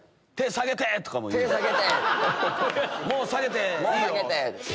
もう下げていいよ！